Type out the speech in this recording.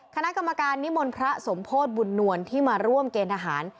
คณะกรรมการนิมนต์พระสมโพธิบุญนวลที่มาร่วมเกณฑ์ทหาร